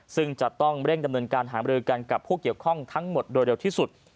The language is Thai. ซึ่งจะต้องเร่งดำเนินการหามรือกันกับผู้เกี่ยวข้องทั้งหมดโดยเร็วที่สุด